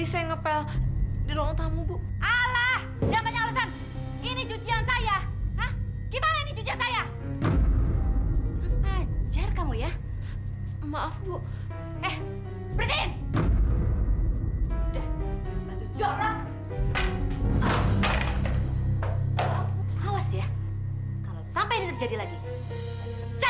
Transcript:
sampai jumpa di video selanjutnya